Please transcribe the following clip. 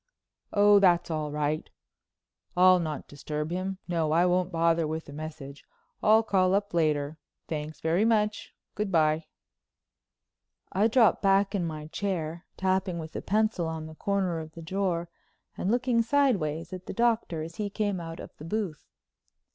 "Oh, that's all right. I'll not disturb him. No, I won't bother with a message. I'll call up later. Thanks very much. Good bye." I dropped back in my chair, tapping with a pencil on the corner of the drawer and looking sideways at the Doctor as he came out of the booth.